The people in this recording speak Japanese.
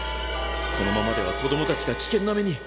このままでは子供たちが危険な目に。